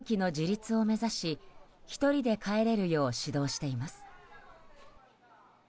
こちらの小学校では早期の自立を目指し１人で帰れるよう指導しています。